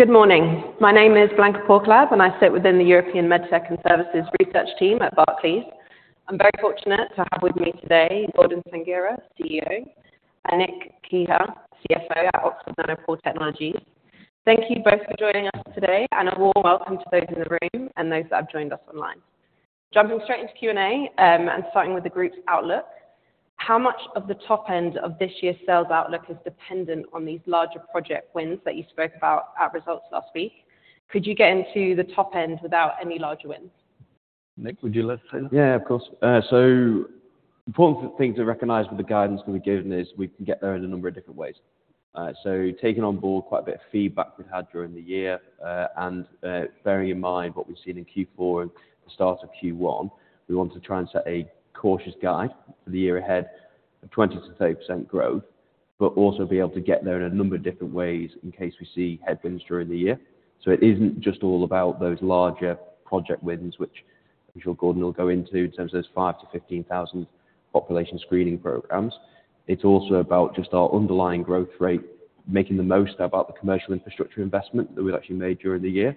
Good morning. My name is Blanka Porkolab, and I sit within the European MedTech and Services Research Team at Barclays. I'm very fortunate to have with me today Gordon Sanghera, Chief Executive Officer, and Nick Keher, Chief Financial Officer at Oxford Nanopore Technologies. Thank you both for joining us today, and a warm welcome to those in the room and those that have joined us online. Jumping straight into Q&A and starting with the group's outlook: how much of the top end of this year's sales outlook is dependent on these larger project wins that you spoke about at Results last week? Could you get into the top end without any larger wins? Nick, would you like to say something? Yeah, of course. So the important thing to recognize with the guidance that we've given is we can get there in a number of different ways. So taking on board quite a bit of feedback we've had during the year and bearing in mind what we've seen in Q4 and the start of Q1, we want to try and set a cautious guide for the year ahead of 20%-30% growth, but also be able to get there in a number of different ways in case we see headwinds during the year. So it isn't just all about those larger project wins, which I'm sure Gordon will go into in terms of those 5,000-15,000 population screening programs. It's also about just our underlying growth rate, making the most out of the commercial infrastructure investment that we've actually made during the year.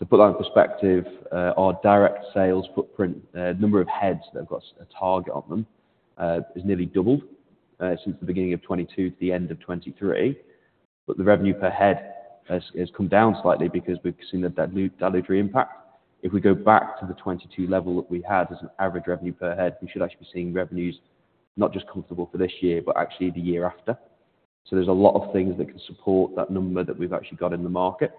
To put that in perspective, our direct sales footprint, the number of heads that have got a target on them, has nearly doubled since the beginning of 2022 to the end of 2023. But the revenue per head has come down slightly because we've seen that dilutory impact. If we go back to the 2022 level that we had as an average revenue per head, we should actually be seeing revenues not just comfortable for this year, but actually the year after. So there's a lot of things that can support that number that we've actually got in the market.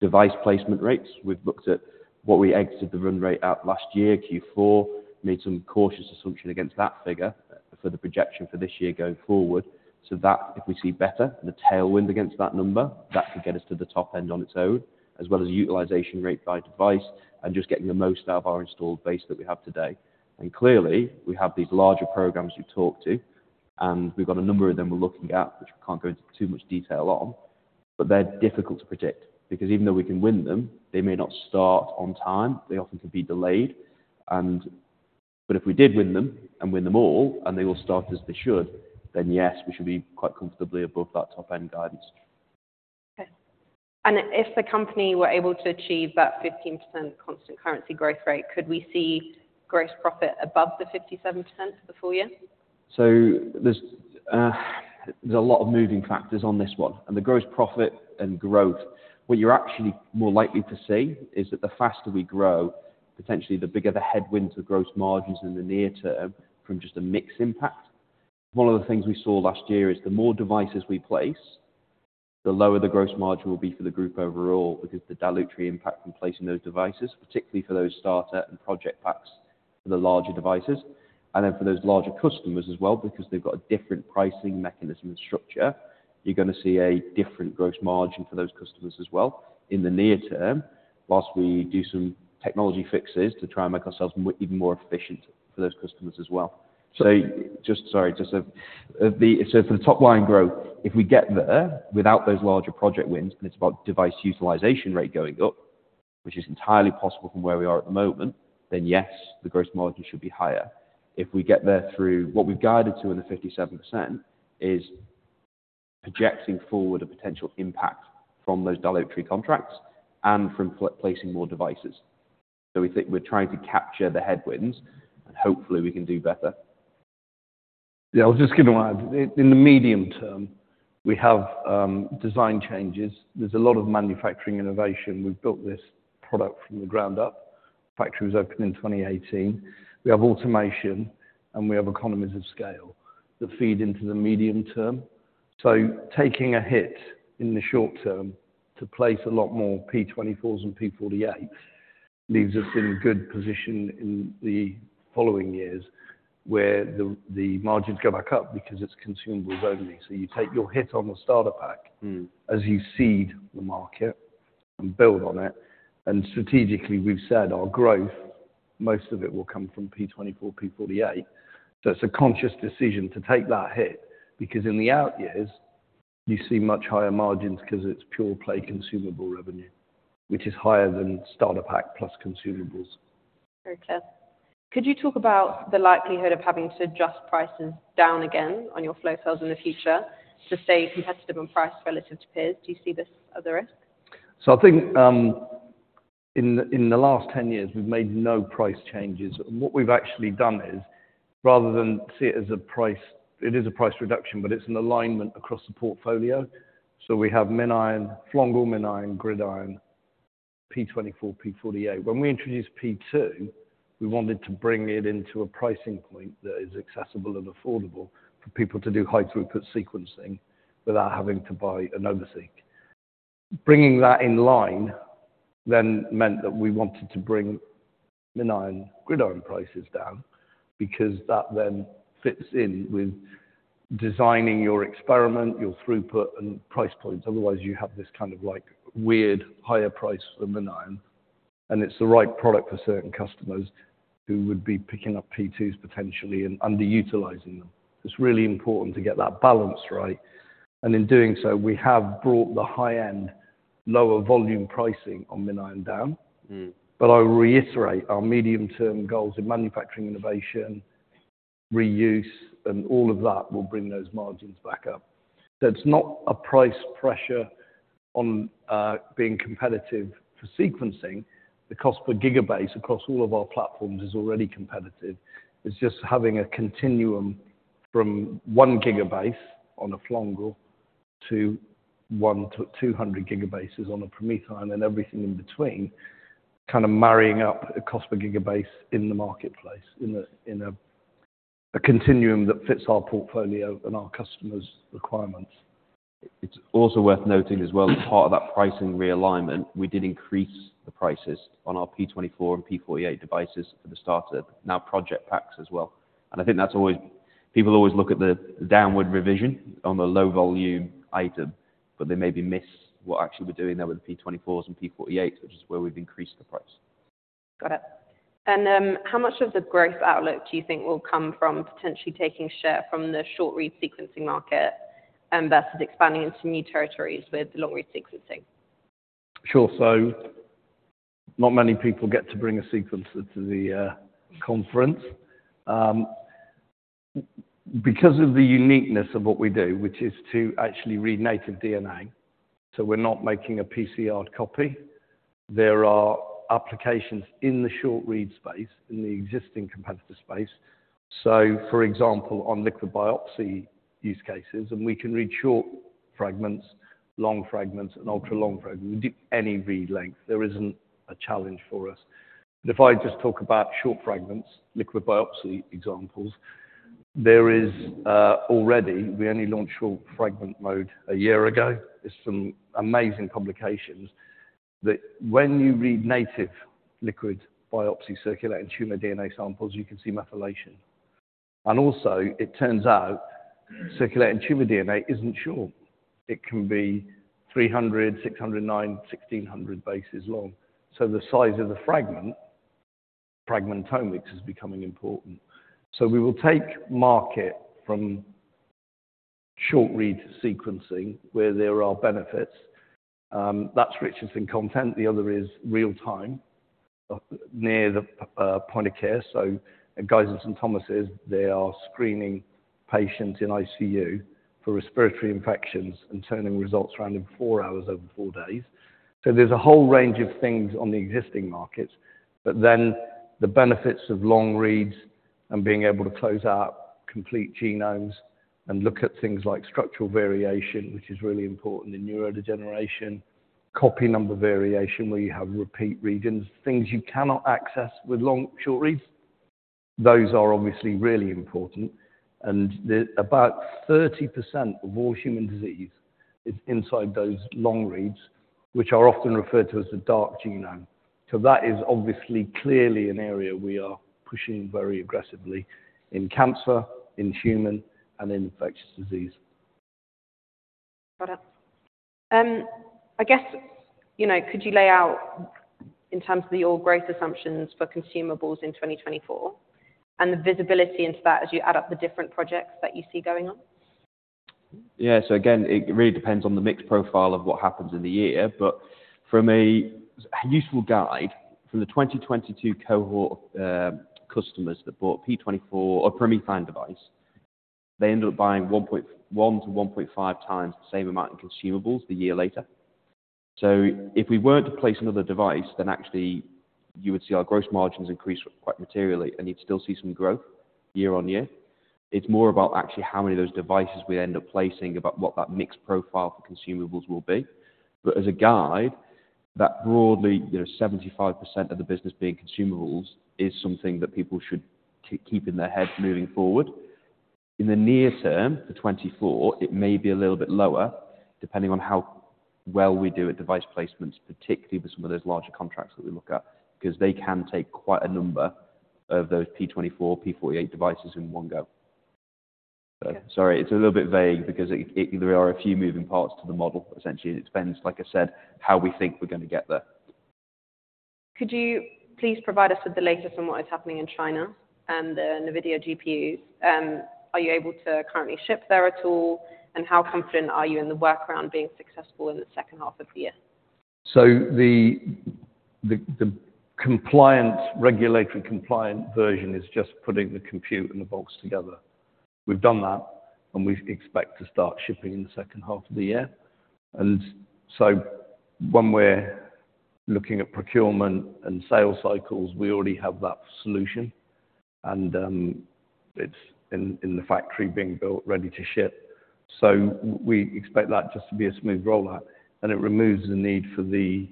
Device placement rates, we've looked at what we exited the run rate at last year, Q4, made some cautious assumption against that figure for the projection for this year going forward. So that if we see better, the tailwind against that number, that could get us to the top end on its own, as well as utilization rate by device and just getting the most out of our installed base that we have today. And clearly, we have these larger programs you've talked to, and we've got a number of them we're looking at, which we can't go into too much detail on. But they're difficult to predict because even though we can win them, they may not start on time. They often can be delayed. But if we did win them and win them all and they all start as they should, then yes, we should be quite comfortably above that top end guidance. Okay. If the company were able to achieve that 15% constant currency growth rate, could we see gross profit above the 57% for the full year? So there's a lot of moving factors on this one. The gross profit and growth, what you're actually more likely to see is that the faster we grow, potentially the bigger the headwind to gross margins in the near term from just a mix impact. One of the things we saw last year is the more devices we place, the lower the gross margin will be for the group overall because of the dilutive impact from placing those devices, particularly for those starter and project packs for the larger devices. Then for those larger customers as well, because they've got a different pricing mechanism and structure, you're going to see a different gross margin for those customers as well in the near term whilst we do some technology fixes to try and make ourselves even more efficient for those customers as well. So, for the top line growth, if we get there without those larger project wins and it's about device utilization rate going up, which is entirely possible from where we are at the moment, then yes, the gross margin should be higher. If we get there through what we've guided to in the 57% is projecting forward a potential impact from those dilutory contracts and from placing more devices. So we think we're trying to capture the headwinds, and hopefully we can do better. Yeah, I'll just give you one. In the medium term, we have design changes. There's a lot of manufacturing innovation. We've built this product from the ground up. The factory was opened in 2018. We have automation, and we have economies of scale that feed into the medium term. So taking a hit in the short term to place a lot more P24s and P48s leaves us in good position in the following years where the margins go back up because it's consumables only. So you take your hit on the starter pack as you seed the market and build on it. And strategically, we've said our growth, most of it will come from P24, P48. So it's a conscious decision to take that hit because in the out years, you see much higher margins because it's pure play consumable revenue, which is higher than starter pack plus consumables. Very clear. Could you talk about the likelihood of having to adjust prices down again on your flow cells in the future to stay competitive on price relative to peers? Do you see this as a risk? So I think in the last 10 years, we've made no price changes. And what we've actually done is rather than see it as a price, it is a price reduction, but it's an alignment across the portfolio. So we have MinION, Flongle, MinION, GridION, P24, P48. When we introduced P2, we wanted to bring it into a pricing point that is accessible and affordable for people to do high throughput sequencing without having to buy an over-spec. Bringing that in line then meant that we wanted to bring MinION, GridION prices down because that then fits in with designing your experiment, your throughput, and price points. Otherwise, you have this kind of weird higher price for the MinION. And it's the right product for certain customers who would be picking up P2s potentially and underutilizing them. It's really important to get that balance right. In doing so, we have brought the high-end, lower volume pricing on MinION down. But I'll reiterate, our medium-term goals in manufacturing innovation, reuse, and all of that will bring those margins back up. So it's not a price pressure on being competitive for sequencing. The cost per gigabase across all of our platforms is already competitive. It's just having a continuum from 1 gigabase on a Flongle to 1-200 gigabase on a PromethION and everything in between, kind of marrying up a cost per gigabase in the marketplace in a continuum that fits our portfolio and our customers' requirements. It's also worth noting as well, as part of that pricing realignment, we did increase the prices on our P24 and P48 devices for the starter, now project packs as well. I think that's always people always look at the downward revision on the low volume item, but they maybe miss what actually we're doing there with the P24s and P48s, which is where we've increased the price. Got it. How much of the growth outlook do you think will come from potentially taking share from the short read sequencing market versus expanding into new territories with the long read sequencing? Sure. So not many people get to bring a sequencer to the conference because of the uniqueness of what we do, which is to actually read native DNA. So we're not making a PCR copy. There are applications in the short read space, in the existing competitor space. So for example, on liquid biopsy use cases, and we can read short fragments, long fragments, and ultra-long fragments. We do any read length. There isn't a challenge for us. But if I just talk about short fragments, liquid biopsy examples, there is already. We only launched short fragment mode a year ago. There's some amazing publications that when you read native liquid biopsy circulating tumor DNA samples, you can see methylation. And also, it turns out circulating tumor DNA isn't short. It can be 300, 609, 1,600 bases long. So the size of the fragment, fragmentomics, is becoming important. So we will take market from short read sequencing where there are benefits. That's riches in content. The other is real-time, near the point of care. So at Guy's and St Thomas', they are screening patients in ICU for respiratory infections and turning results around in four hours over four days. So there's a whole range of things on the existing markets. But then the benefits of long reads and being able to close out complete genomes and look at things like structural variation, which is really important, and neurodegeneration, copy number variation where you have repeat regions, things you cannot access with short reads, those are obviously really important. And about 30% of all human disease is inside those long reads, which are often referred to as the dark genome. So that is obviously clearly an area we are pushing very aggressively in cancer, in human, and in infectious disease. Got it. I guess, could you lay out in terms of the all-growth assumptions for consumables in 2024 and the visibility into that as you add up the different projects that you see going on? Yeah. So again, it really depends on the mix profile of what happens in the year. But for a useful guide, from the 2022 cohort of customers that bought P24 or PromethION device, they ended up buying 1.1x-1.5x the same amount in consumables the year later. So if we weren't to place another device, then actually you would see our gross margins increase quite materially and you'd still see some growth year-on-year. It's more about actually how many of those devices we end up placing, about what that mix profile for consumables will be. But as a guide, that broadly 75% of the business being consumables is something that people should keep in their head moving forward. In the near term, for 2024, it may be a little bit lower depending on how well we do at device placements, particularly with some of those larger contracts that we look at because they can take quite a number of those P24, P48 devices in one go. Sorry, it's a little bit vague because there are a few moving parts to the model, essentially. It depends, like I said, how we think we're going to get there. Could you please provide us with the latest on what is happening in China and the NVIDIA GPUs? Are you able to currently ship there at all? And how confident are you in the workaround being successful in the second half of the year? So the regulatory compliant version is just putting the compute and the box together. We've done that, and we expect to start shipping in the second half of the year. And so when we're looking at procurement and sales cycles, we already have that solution. And it's in the factory being built, ready to ship. So we expect that just to be a smooth roll-out. And it removes the need for the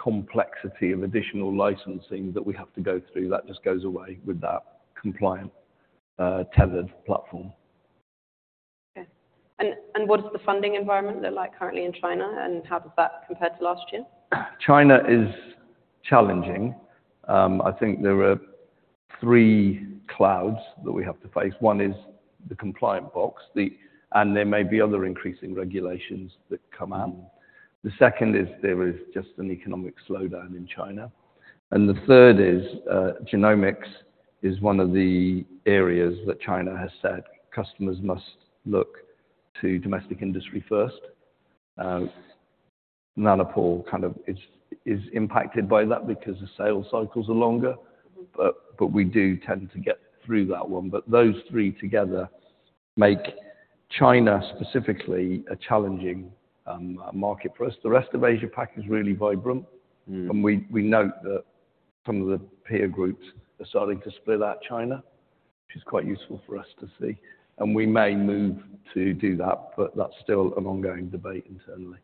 complexity of additional licensing that we have to go through. That just goes away with that compliant, tethered platform. Okay. And what is the funding environment like currently in China? And how does that compare to last year? China is challenging. I think there are three clouds that we have to face. One is the compliant box, and there may be other increasing regulations that come out. The second is there is just an economic slowdown in China. And the third is genomics is one of the areas that China has said customers must look to domestic industry first. Nanopore kind of is impacted by that because the sales cycles are longer. But we do tend to get through that one. But those three together make China specifically a challenging market for us. The rest of Asia Pac is really vibrant. And we note that some of the peer groups are starting to split out China, which is quite useful for us to see. And we may move to do that, but that's still an ongoing debate internally.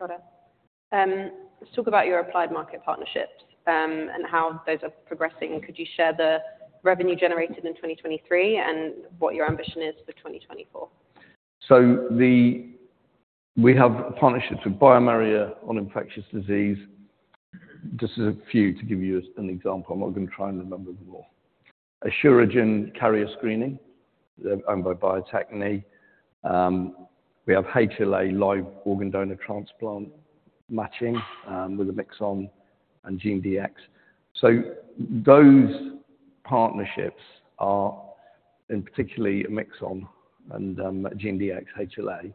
Got it. Let's talk about your applied market partnerships and how those are progressing. Could you share the revenue generated in 2023 and what your ambition is for 2024? So we have partnerships with bioMérieux on infectious disease. Just a few to give you an example. I'm not going to try and remember them all. Asuragen carrier screening, owned by Bio-Techne. We have HLA, live organ donor transplant matching with Omixon and GenDx. So those partnerships are in particularly Omixon and GenDx, HLA.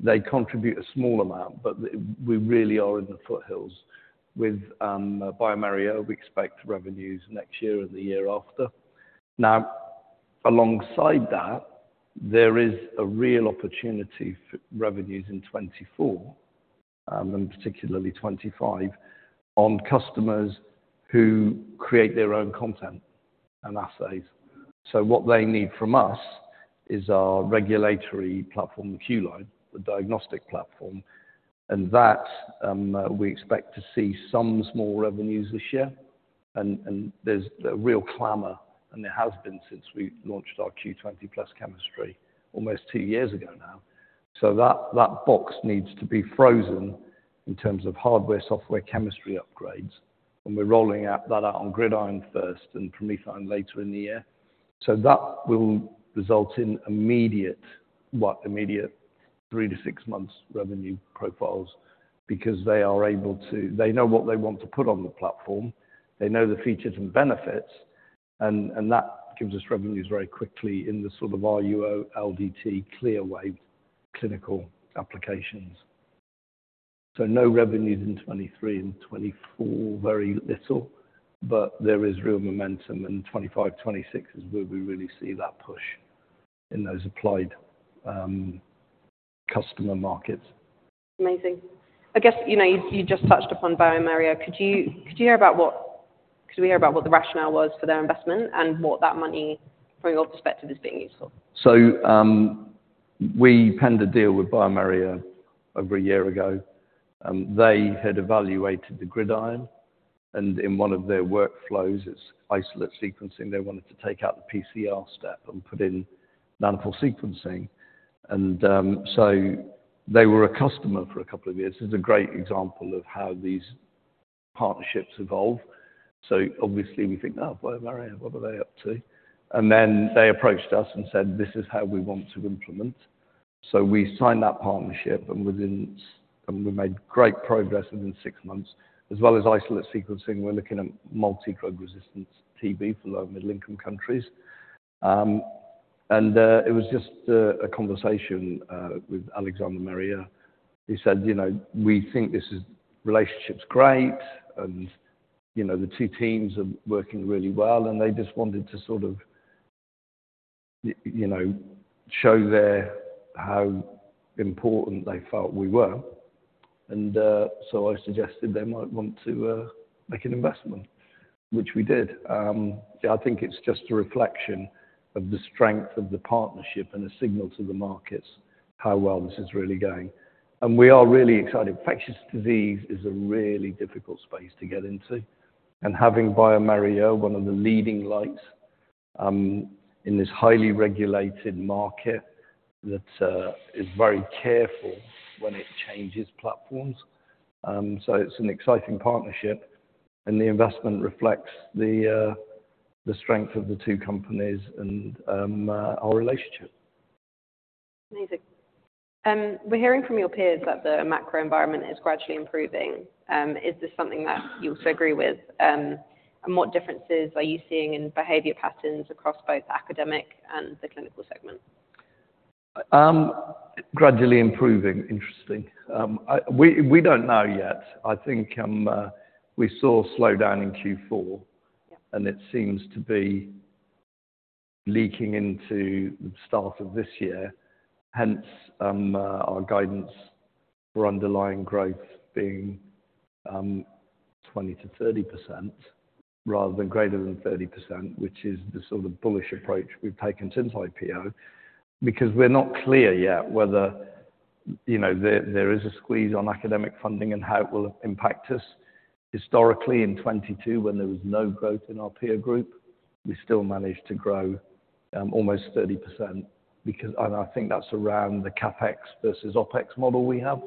They contribute a small amount, but we really are in the foothills. With bioMérieux, we expect revenues next year and the year after. Now, alongside that, there is a real opportunity for revenues in 2024 and particularly 2025 on customers who create their own content and assays. So what they need from us is our regulatory platform, Q-LINE, the diagnostic platform. And that we expect to see some small revenues this year. And there's a real clamor, and there has been since we launched our Q20+ chemistry almost two years ago now. So that box needs to be frozen in terms of hardware, software, chemistry upgrades. And we're rolling that out on GridION first and PromethION later in the year. So that will result in immediate three-six months revenue profiles because they are able to. They know what they want to put on the platform. They know the features and benefits. And that gives us revenues very quickly in the sort of RUO, LDT, CLIA-waived clinical applications. So no revenues in 2023 and 2024, very little. But there is real momentum. And 2025, 2026 is where we really see that push in those applied customer markets. Amazing. I guess you just touched upon bioMérieux. Could you hear about what the rationale was for their investment and what that money, from your perspective, is being used for? So we penned a deal with bioMérieux over a year ago. They had evaluated the GridION. In one of their workflows, it's isolate sequencing. They wanted to take out the PCR step and put in nanopore sequencing. So they were a customer for a couple of years. This is a great example of how these partnerships evolve. So obviously, we think, "Oh, bioMérieux, what are they up to?" Then they approached us and said, "This is how we want to implement." So we signed that partnership, and we made great progress within six months. As well as isolate sequencing, we're looking at multi-drug resistant TB for low- and mid-income countries. It was just a conversation with Alexander Mérieux. He said, "We think this relationship's great. And the two teams are working really well." They just wanted to sort of show how important they felt we were. So I suggested they might want to make an investment, which we did. I think it's just a reflection of the strength of the partnership and a signal to the markets how well this is really going. We are really excited. Infectious disease is a really difficult space to get into. Having bioMérieux, one of the leading lights in this highly regulated market that is very careful when it changes platforms. It's an exciting partnership. The investment reflects the strength of the two companies and our relationship. Amazing. We're hearing from your peers that the macro environment is gradually improving. Is this something that you also agree with? And what differences are you seeing in behavior patterns across both academic and the clinical segment? Gradually improving, interesting. We don't know yet. I think we saw a slowdown in Q4. It seems to be leaking into the start of this year. Hence, our guidance for underlying growth being 20%-30% rather than greater than 30%, which is the sort of bullish approach we've taken since IPO because we're not clear yet whether there is a squeeze on academic funding and how it will impact us. Historically, in 2022, when there was no growth in our peer group, we still managed to grow almost 30%. I think that's around the CapEx versus OpEx model we have.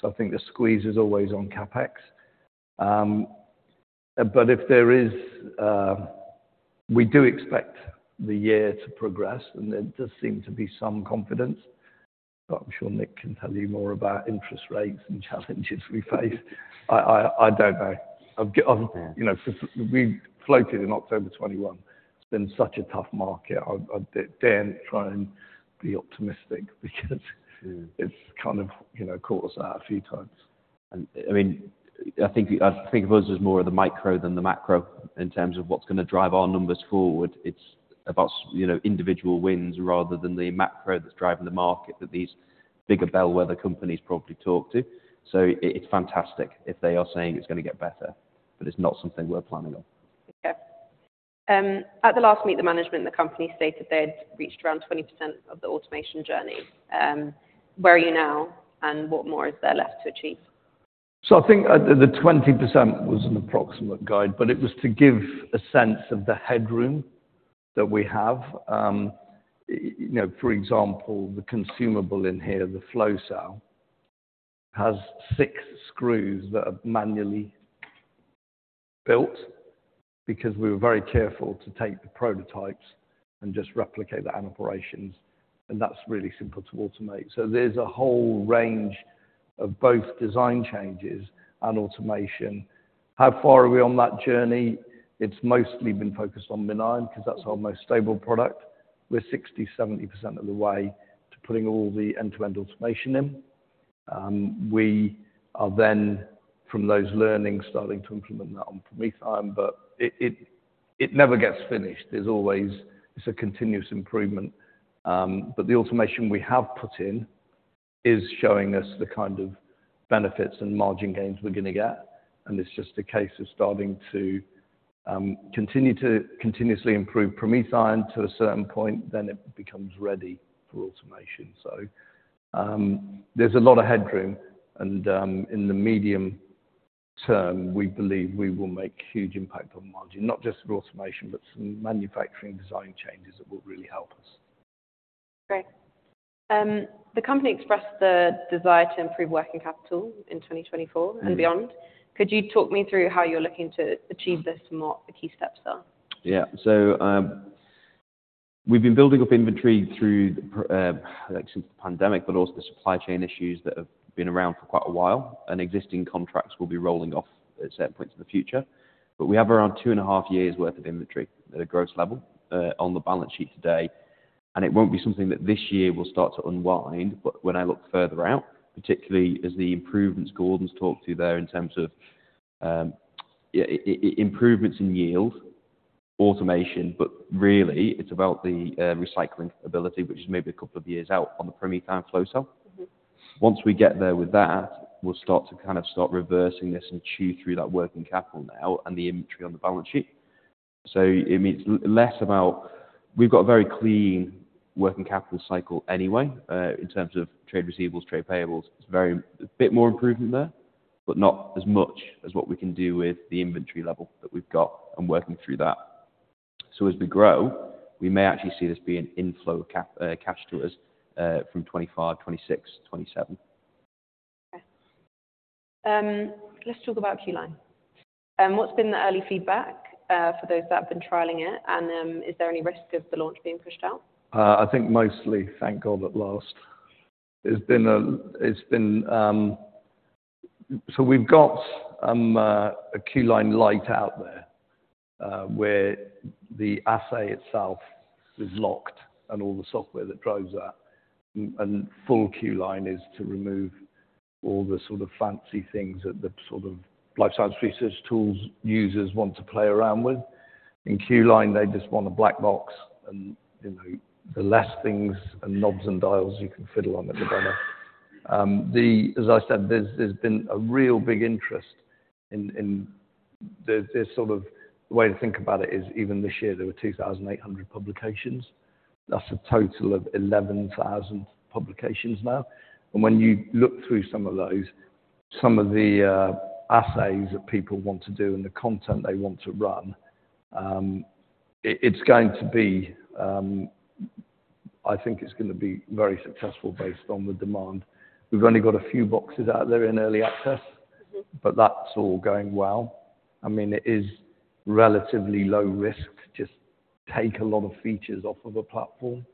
So I think the squeeze is always on CapEx. But if there is we do expect the year to progress. There does seem to be some confidence. But I'm sure Nick can tell you more about interest rates and challenges we face. I don't know. We floated in October 2021. It's been such a tough market. I dare not try and be optimistic because it's kind of caught us out a few times. I mean, I think I think of us as more of the micro than the macro in terms of what's going to drive our numbers forward. It's about individual wins rather than the macro that's driving the market that these bigger bellwether companies probably talk to. So it's fantastic if they are saying it's going to get better, but it's not something we're planning on. Okay. At the last management meeting, the company stated they had reached around 20% of the automation journey. Where are you now, and what more is there left to achieve? So I think the 20% was an approximate guide, but it was to give a sense of the headroom that we have. For example, the consumable in here, the Flow Cell, has six screws that are manually built because we were very careful to take the prototypes and just replicate that in operations. And that's really simple to automate. So there's a whole range of both design changes and automation. How far are we on that journey? It's mostly been focused on MinION because that's our most stable product. We're 60%-70% of the way to putting all the end-to-end automation in. We are then, from those learnings, starting to implement that on PromethION. But it never gets finished. It's a continuous improvement. But the automation we have put in is showing us the kind of benefits and margin gains we're going to get. It's just a case of starting to continue to continuously improve PromethION to a certain point. It becomes ready for automation. There's a lot of headroom. In the medium term, we believe we will make huge impact on margin, not just for automation, but some manufacturing design changes that will really help us. Great. The company expressed the desire to improve working capital in 2024 and beyond. Could you talk me through how you're looking to achieve this and what the key steps are? Yeah. So we've been building up inventory since the pandemic, but also the supply chain issues that have been around for quite a while. And existing contracts will be rolling off at certain points in the future. But we have around 2.5 years' worth of inventory at a gross level on the balance sheet today. And it won't be something that this year will start to unwind. But when I look further out, particularly as the improvements Gordon's talked to there in terms of improvements in yield, automation, but really, it's about the recycling ability, which is maybe a couple of years out on the PromethION Flow Cell. Once we get there with that, we'll start to kind of start reversing this and chew through that working capital now and the inventory on the balance sheet. So it means less about we've got a very clean working capital cycle anyway in terms of trade receivables, trade payables. It's a bit more improvement there, but not as much as what we can do with the inventory level that we've got and working through that. So as we grow, we may actually see this be an inflow of cash to us from 2025, 2026, 2027. Okay. Let's talk about Q-LINE. What's been the early feedback for those that have been trialing it? And is there any risk of the launch being pushed out? I think mostly, thank God, at last. So we've got a Q-LINE light out there where the assay itself is locked and all the software that drives that. And full Q-LINE is to remove all the sort of fancy things that the sort of life science research tools users want to play around with. In Q-LINE, they just want a black box. And the less things and knobs and dials you can fiddle on it, the better. As I said, there's been a real big interest in the sort of the way to think about it is even this year, there were 2,800 publications. That's a total of 11,000 publications now. And when you look through some of those, some of the assays that people want to do and the content they want to run, it's going to be I think it's going to be very successful based on the demand. We've only got a few boxes out there in early access, but that's all going well. I mean, it is relatively low risk to just take a lot of features off of a platform.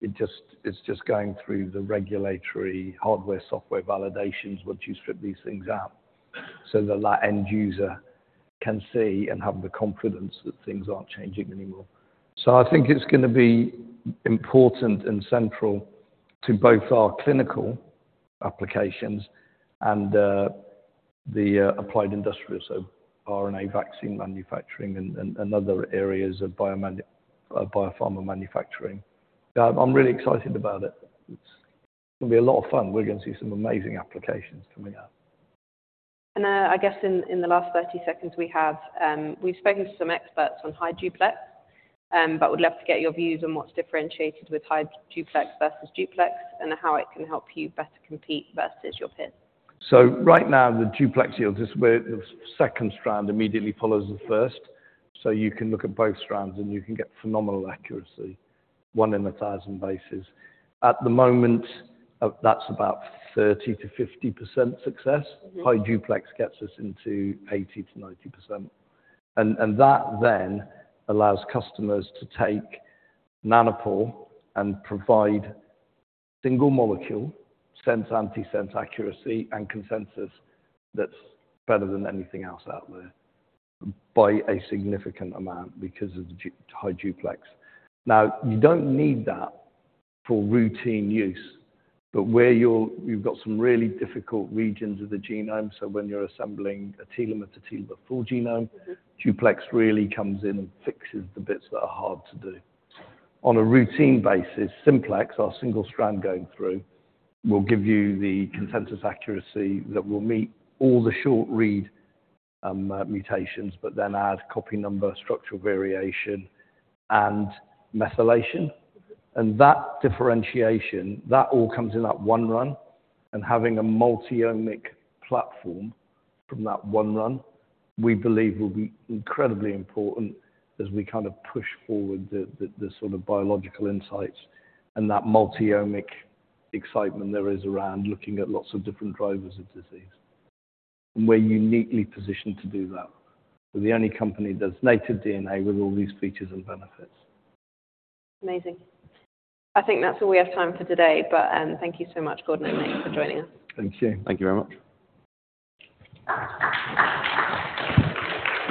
It's just going through the regulatory hardware, software validations once you strip these things out so that that end user can see and have the confidence that things aren't changing anymore. So I think it's going to be important and central to both our clinical applications and the applied industrial, so RNA vaccine manufacturing and other areas of biopharma manufacturing. I'm really excited about it. It's going to be a lot of fun. We're going to see some amazing applications coming out. I guess in the last 30 seconds we have, we've spoken to some experts on high duplex, but would love to get your views on what's differentiated with high duplex versus duplex and how it can help you better compete versus your peers. So right now, the duplex yield is where the second strand immediately follows the first. So you can look at both strands, and you can get phenomenal accuracy, 1 in 1,000 bases. At the moment, that's about 30%-50% success. High Duplex gets us into 80%-90%. And that then allows customers to take nanopore and provide single molecule, sense-anti-sense accuracy, and consensus that's better than anything else out there by a significant amount because of the High Duplex. Now, you don't need that for routine use, but where you've got some really difficult regions of the genome, so when you're assembling a telomere-to-telomere full genome, duplex really comes in and fixes the bits that are hard to do. On a routine basis, simplex, our single strand going through, will give you the consensus accuracy that will meet all the short read mutations, but then add copy number, structural variation, and methylation. And that differentiation, that all comes in that one run. And having a multi-omic platform from that one run, we believe, will be incredibly important as we kind of push forward the sort of biological insights and that multi-omic excitement there is around looking at lots of different drivers of disease and we're uniquely positioned to do that. We're the only company that's native DNA with all these features and benefits. Amazing. I think that's all we have time for today. But thank you so much, Gordon and Nick, for joining us. Thank you. Thank you very much.